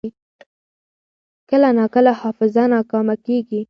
کله ناکله حافظه ناکامه کېږي.